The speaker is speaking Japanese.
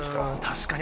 確かに。